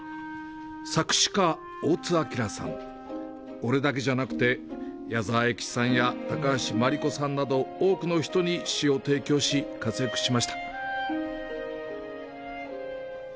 俺だけじゃなくて、矢沢永吉さんや高橋真梨子さんなど多くの人に歌詞を提供し、活躍しました。